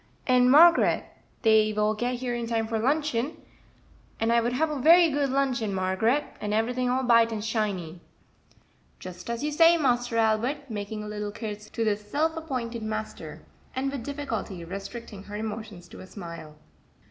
"And, Margaret, dey will get here in time for luncheon, and I would have a very good luncheon, Margaret, and everything all b'ight and shiny." "Just as you say, Master Albert," making a little curtsey to this self appointed master, and with difficulty restricting her emotions to a smile.